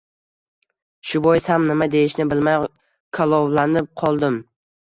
Shu bois ham nima deyishni bilmay kalovlanib qoldim